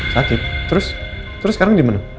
sakit terus terus sekarang gimana